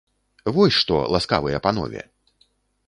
Вось што, ласкавыя панове!